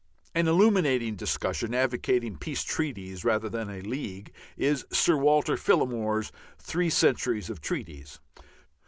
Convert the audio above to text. An illuminating discussion, advocating peace treaties rather than a league, is Sir Walter Phillimore's "Three Centuries of Treaties."